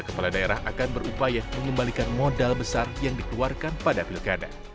kepala daerah akan berupaya mengembalikan modal besar yang dikeluarkan pada pilkada